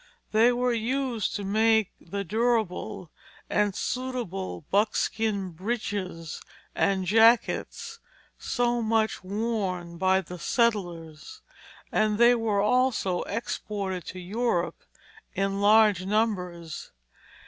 They were used to make the durable and suitable buckskin breeches and jackets so much worn by the settlers; and they were also exported to Europe in large numbers.